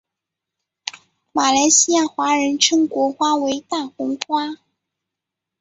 马来西亚华人称国花为大红花。